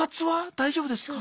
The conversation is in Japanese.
大丈夫ですか？